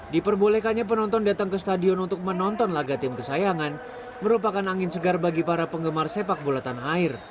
diperbolehkannya penonton datang ke stadion untuk menonton laga tim kesayangan merupakan angin segar bagi para penggemar sepak bola tanah air